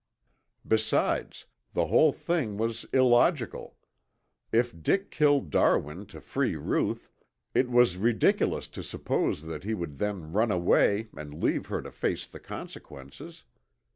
Besides, the whole thing was illogical. If Dick killed Darwin to free Ruth, it was ridiculous to suppose that he would then run away and leave her to face the consequences.